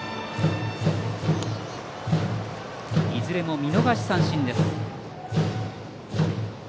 いずれも見逃し三振です。